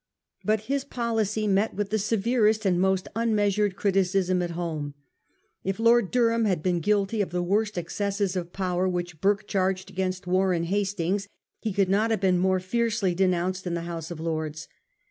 But his policy met with the severest and most unmeasured criticism at home. If Lord Durham had been guilty of the worst excesses of power wMch Burke charged against Warren Hastings, he could not have been more fiercely denounced in the House of Lords.